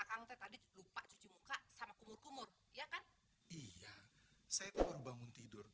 bisa ngebujuk dia pasti akan tadi lupa cuci muka sama kumur kumur ya kan iya saya baru bangun tidur